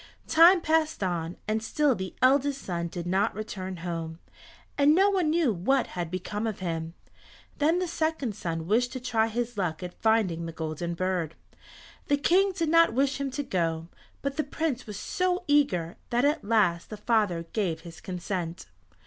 Time passed on, and still the eldest son did not return home, and no one knew what had become of him. Then the second son wished to try his luck at finding the Golden Bird. The King did not wish him to go, but the Prince was so eager that at last the father gave his consent.